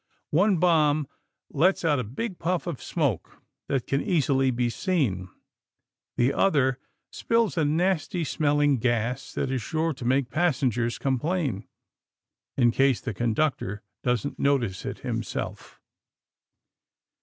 One bomb lets out a big puff of smoke that can easily be seen. The other spills a nasty smelling gas that is sure to make passengers complain, in case the conductor doesn't notice it himself.